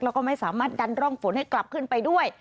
แล้วก็ไม่สามารถดันร่องฝนให้กลับขึ้นไปด้วย